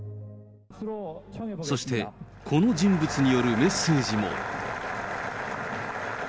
そして、この人物によるメッセージも。